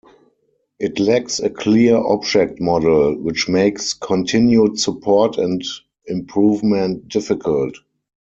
It lacks a clear object model, which makes continued support and improvement difficult.